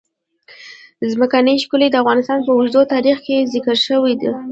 ځمکنی شکل د افغانستان په اوږده تاریخ کې ذکر شوې ده.